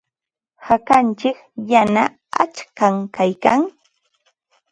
Hakantsik yana aqcham kaykan.